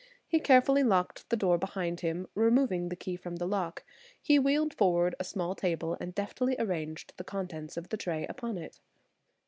He carefully locked the door behind him, removing the key from the lock. He wheeled forward a small table and deftly arranged the contents of the tray upon it.